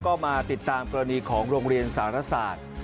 ก็มาติดตามกรณีของโรงเรียนสารศาสตร์